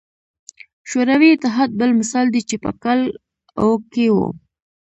شوروي اتحاد بل مثال دی چې په کال او کې وو.